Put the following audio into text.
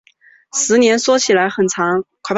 十年说起来很长